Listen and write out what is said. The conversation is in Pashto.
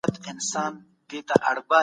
استاد لیک کوي.